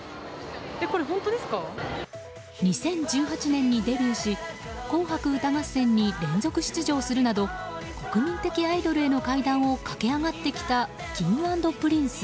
２０１８年にデビューし「紅白歌合戦」に連続出場するなど国民的アイドルへの階段を駆け上がってきたＫｉｎｇ＆Ｐｒｉｎｃｅ。